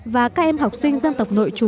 và các em học sinh dân tộc nước